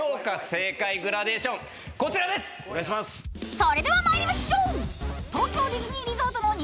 ［それでは参りましょう］